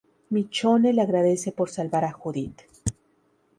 Michonne le agradece por salvar a Judith.